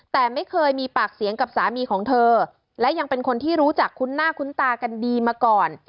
แต่ไม่เคยมีปากเสียงกับสามีของเธอและยังเป็นคนที่รู้จักคุ้นหน้าคุ้นตากันดีมาก่อน